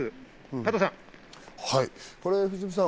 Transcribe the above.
加藤さん。